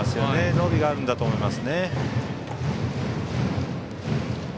伸びがあるんだと思います。